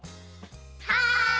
はい！